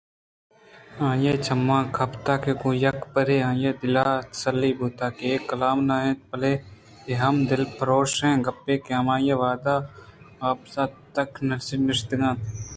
آئی ءِ چمان کپگ ءَ گوں یک برے آئی ءِ دل ءَ تسلہ بوت کہ اے کلام نہ اِنت بلئے اے ہم دلپرٛوشیں گپے کہ ہمائی ودار ءَ آ پہ تکانسری نشتگ اَت